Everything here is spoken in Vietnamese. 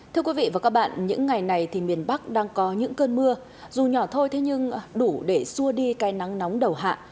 thưa quý vị và các bạn những ngày này thì miền bắc đang có những cơn mưa dù nhỏ thôi thế nhưng đủ để xua đi cây nắng nóng đầu hạ